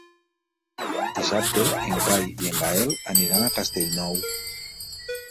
Dissabte en Cai i en Gaël aniran a Castellnou.